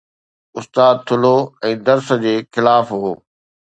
استاد ٿلهو ۽ درس جي خلاف هو